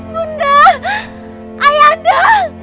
bunda ayah anda